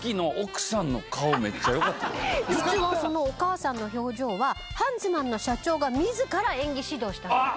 実はそのお母さんの表情はハンズマンの社長が自ら演技指導したそう。